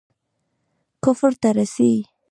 کفر ته رسي.